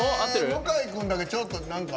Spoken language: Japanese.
向井君だけちょっと。